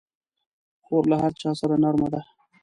خور له هر چا سره نرمه ده.